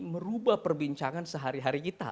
merubah perbincangan sehari hari kita